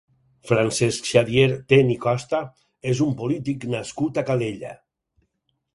Francesc Xavier Ten i Costa és un polític nascut a Calella.